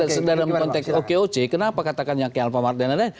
sedangkan konteks okoc kenapa katakan yang ke alfamart dan lain lain